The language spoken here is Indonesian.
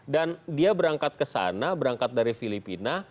dan dia berangkat ke sana berangkat dari filipina